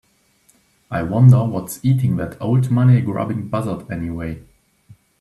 I wonder what's eating that old money grubbing buzzard anyway?